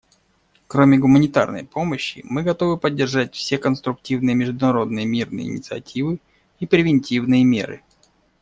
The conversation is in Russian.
Кроме гуманитарной помощи, мы готовы поддержать все конструктивные международные мирные инициативы и превентивные меры.